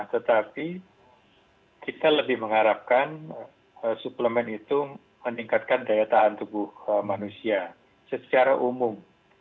tetapi kita lebih mengharapkan suplemen itu meningkatkan daya tahan tubuh manusia secara umum